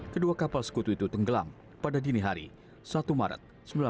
kedua kapal sekutu itu tenggelam pada dini hari satu maret seribu sembilan ratus empat puluh